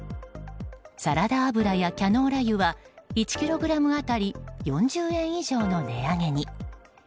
サラダ油やキャノーラ油は１ｋｇ当たり４０円以上の値上げに。